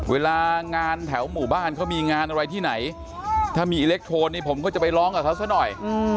เวลางานแถวหมู่บ้านเขามีงานอะไรที่ไหนถ้ามีอิเล็กโทนนี่ผมก็จะไปร้องกับเขาซะหน่อย